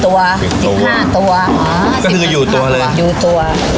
๑๐ตัว๑๕ตัวเหรอค่ะ๑๕ตัวฮะ๑๕ตัวอยู่ตัว